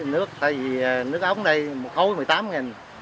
nước ống ở đây một khối một mươi tám nghìn